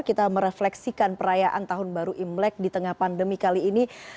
kita merefleksikan perayaan tahun baru imlek di tengah pandemi kali ini